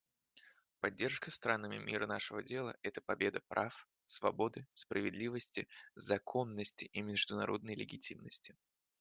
Поддержка странами мира нашего дела — это победа прав, свободы, справедливости, законности и международной легитимности.